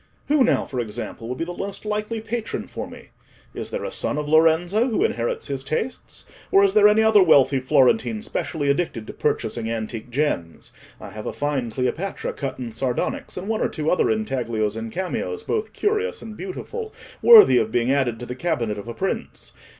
Who now, for example, would be the most likely patron for me? Is there a son of Lorenzo who inherits his tastes? Or is there any other wealthy Florentine specially addicted to purchasing antique gems? I have a fine Cleopatra cut in sardonyx, and one or two other intaglios and cameos, both curious and beautiful, worthy of being added to the cabinet of a prince.